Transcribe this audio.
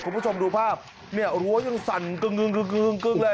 คุณผู้ชมดูภาพเนี่ยรั้วยังสั่นกึ่งเลย